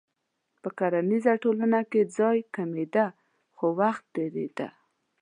په کرنیزه ټولنه کې ځای کمېده خو وخت ډېرېده.